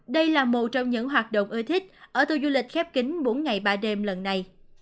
đây là một trong những hoạt động ưa thích ở tour du lịch khép kính bốn ngày ba đêm lần này